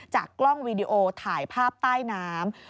กล้องวีดีโอถ่ายภาพใต้น้ำ